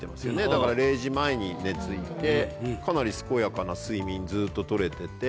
だから０時前に寝付いててかなり健やかな睡眠ずっと取れてて。